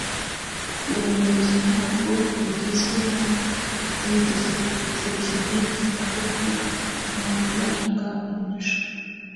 ubuyobozi ntabwo bugizwe na degre tekinike ariko mubiranga imico